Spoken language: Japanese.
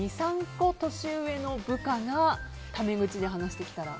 ２、３個年上の部下がタメ口で話してきたら。